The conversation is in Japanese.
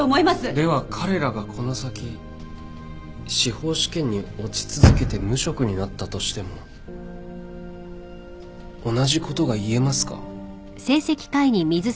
では彼らがこの先司法試験に落ち続けて無職になったとしても同じことが言えますか？